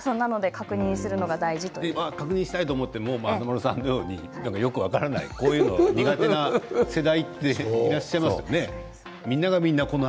確認しようとしても華丸さんのようによく分からない苦手な世代がいらっしゃいますよね。